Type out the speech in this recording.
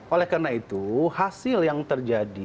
oleh karena itu hasil yang terjadi